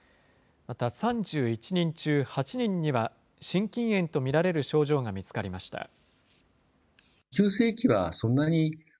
また、３１人中８人には心筋炎と見られる症状が見つかりました。